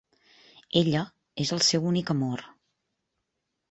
Ella és el seu únic amor.